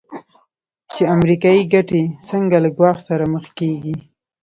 چې امریکایي ګټې څنګه له ګواښ سره مخ کېږي.